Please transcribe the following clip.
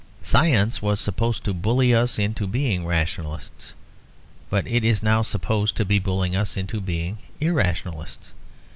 Science was supposed to bully us into being rationalists; but it is now supposed to be bullying us into being irrationalists.